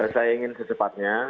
saya ingin secepatnya